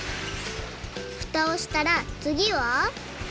ふたをしたらつぎは？